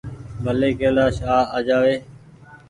ڀلي ڪيلآش آ جآوي ۔